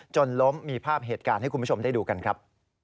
จนล้มมีภาพเหตุการณ์ให้คุณผู้ชมได้ดูกันครับ